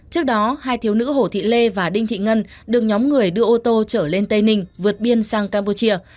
trước đó hai thiếu nữ hồ thị lê và đinh thị ngân được nhóm người đưa ô tô trở lên tây ninh vượt biên sang campuchia